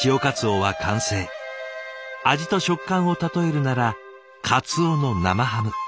味と食感を例えるなら「鰹の生ハム」。